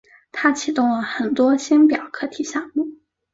他启动了很多星表课题项目。